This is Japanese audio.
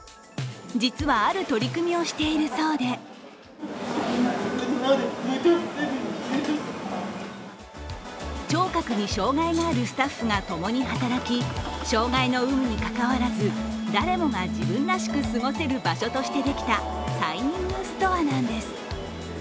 実は、ある取り組みをしているそうで聴覚に障害のあるスタッフが共に働き障害の有無にかかわらず誰もが自分らしく過ごせる場所としてできたサイニングストアなんです。